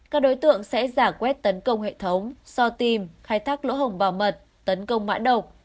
các đối tượng sẽ giả quét tấn công hệ thống so tìm khai thác lỗ hồng bảo mật tấn công mã độc